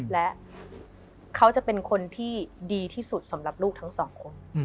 และเขาจะเป็นคนที่ดีที่สุดสำหรับลูกทั้งสองคน